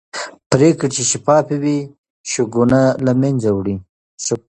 پرېکړې چې شفافې وي شکونه له منځه وړي